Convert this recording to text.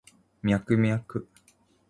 ミャクミャク